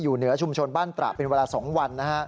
เหนือชุมชนบ้านตระเป็นเวลา๒วัน